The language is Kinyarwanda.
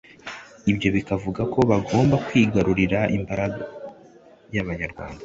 ibyo bikavuga ko bagombaga kwigarurira imbaga y'abanyarwanda